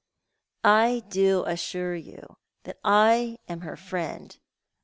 " I do assure you that I am her friend.